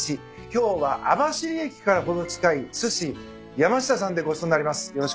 今日は網走駅から程近い鮨やまし田さんでごちそうになります。